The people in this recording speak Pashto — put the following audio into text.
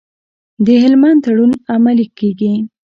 د هلمند تړون عملي کیږي؟